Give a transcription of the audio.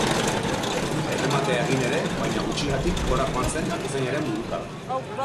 Errematea egin ere, baina gutxigatik gora joan zen atezainaren burukada.